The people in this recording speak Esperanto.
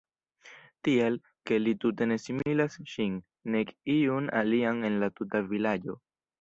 Tial, ke li tute ne similas ŝin, nek iun alian en la tuta vilaĝo.